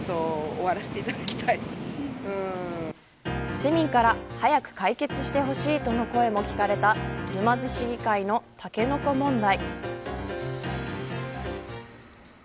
市民から早く解決してほしいとの声も聞かれた沼津市議会のタケノコ問題。